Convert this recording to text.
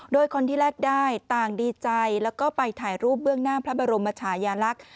โดยคนที่แลกได้ต่างดีใจแล้วก็ไปถ่ายรูปเบื้องหน้าพระบรมชายาลักษณ์